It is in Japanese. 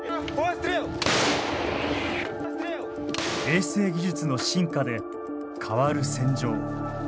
衛星技術の進化で変わる戦場。